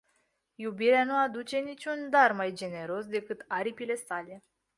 Iubirea nu aduce nici un dar mai generos decât aripile sale.